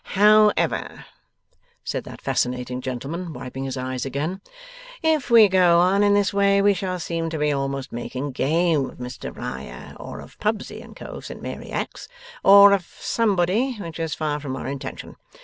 'However,' said that fascinating gentleman, wiping his eyes again, 'if we go on in this way, we shall seem to be almost making game of Mr Riah, or of Pubsey and Co. Saint Mary Axe, or of somebody: which is far from our intention.